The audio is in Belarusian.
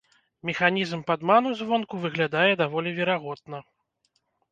Механізм падману звонку выглядае даволі верагодна.